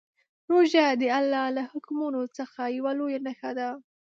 روژه د الله له حکمونو څخه یوه لویه نښه ده.